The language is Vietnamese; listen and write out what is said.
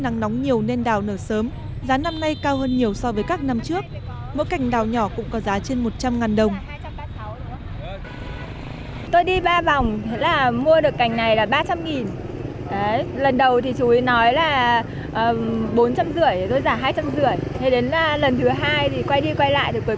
nhưng nhiều người dân vẫn thích ra tận chợ trong nội thành hà nội